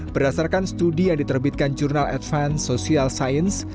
berdasarkan studi yang diterbitkan jurnal advance social science